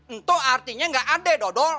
itu artinya gak ada dodol